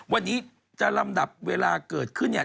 วันนี้จะลำดับเวลาเกิดขึ้นเนี่ย